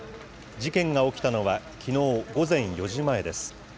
事件が起きたのは、きのう午前４時前です。